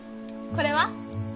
これは？